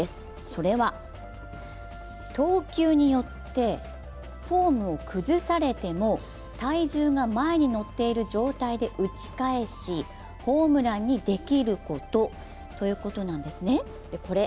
それは投球によってフォームを崩されても体重が前に乗っている状態で打ち返し、ホームランにできることということなんですね。